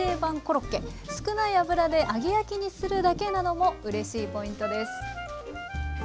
少ない油で揚げ焼きにするだけなのもうれしいポイントです。